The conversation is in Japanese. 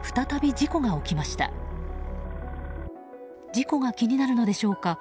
事故が気になるのでしょうか。